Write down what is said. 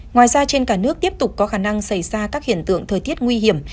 ngoài ra trên cả nước tiếp tục có khả năng xảy ra các hiện tượng thời tiết nguy hiểm